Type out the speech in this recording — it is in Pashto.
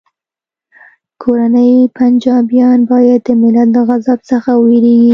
کورني پنجابیان باید د ملت له غضب څخه وویریږي